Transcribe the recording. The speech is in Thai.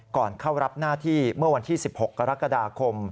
ก่อนเข้ารับหน้าที่เมื่อวันที่๑๖กรกฎาคม